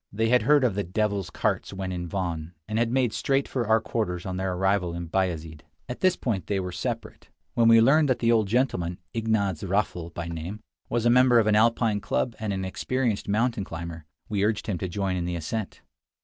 They had heard of the "devil's carts" when in Van, and had made straight for our quarters on their arrival in Bayazid. At this point they were to separate. When we learned that the old gentleman (Ignaz Raffl by name) was a member of an Alpine club and an experienced mountain climber, we urged him to join in the ascent.